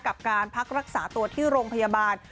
กับการพักรักษาตัวที่โรงพยาบาล